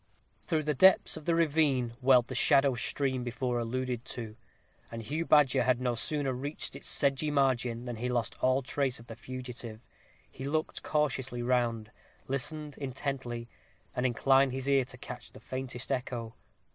Through the depths of the ravine welled the shallow stream before alluded to, and Hugh Badger had no sooner reached its sedgy margin than he lost all trace of the fugitive. He looked cautiously round, listened intently, and inclined his ear to catch the faintest echo.